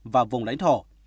và vùng lãnh thổ